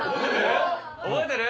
「覚えてる？